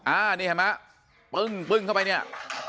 อ่านี่เห็นไหมปึ้งปึ้งเข้าไปเนี่ย